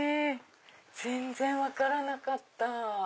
全然分からなかった。